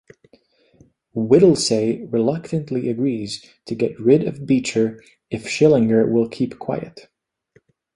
Whittlesey reluctantly agrees to get rid of Beecher if Schillinger will keep quiet.